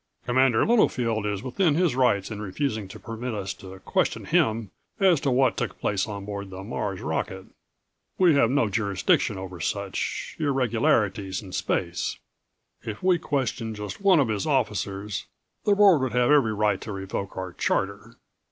"Commander Littlefield is within his rights in refusing to permit us to question him as to what took place on board the Mars' rocket. We have no jurisdiction over such ... irregularities in space. If we questioned just one of his officers, the Board would have every right to revoke our charter.